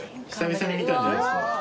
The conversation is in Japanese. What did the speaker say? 久々に見たんじゃないですか？